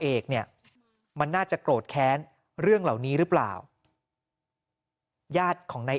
เอกเนี่ยมันน่าจะโกรธแค้นเรื่องเหล่านี้หรือเปล่าญาติของนาย